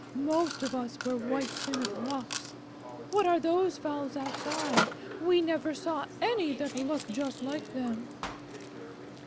Most of us were White Plymouth Rocks. What are those fowls outside? We never saw any that looked just like them."